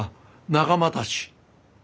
仲間たち！